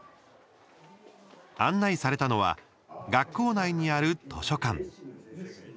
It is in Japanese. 案内されたのは学校内にある図書館。